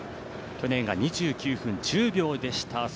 去年が２９分１０秒でした。